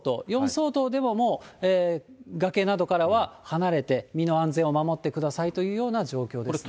４相当でももう崖などからは離れて、身の安全を守ってくださいというような状況です。